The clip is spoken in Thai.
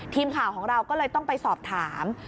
ทีมข่าวของเราก็เลยต้องไปสอบถาม